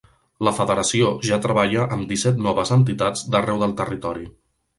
La Federació ja treballa amb disset noves entitats d'arreu del territori.